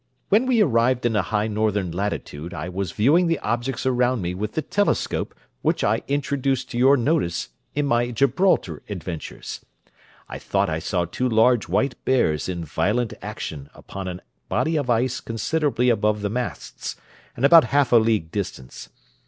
When we arrived in a high northern latitude I was viewing the objects around me with the telescope which I introduced to your notice in my Gibraltar adventures. I thought I saw two large white bears in violent action upon a body of ice considerably above the masts, and about half a league distance.